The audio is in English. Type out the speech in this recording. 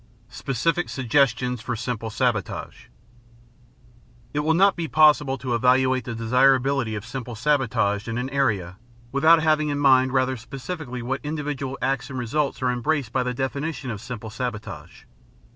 SPECIFIC SUGGESTIONS FOR SIMPLE SABOTAGE It will not be possible to evaluate the desirability of simple sabotage in an area without having in mind rather specifically what individual acts and results are embraced by the definition of simple sabotage.